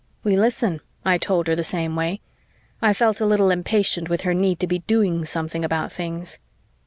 "We listen," I told her the same way. I felt a little impatient with her need to be doing something about things.